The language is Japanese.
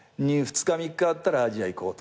２日３日あったらアジア行こう。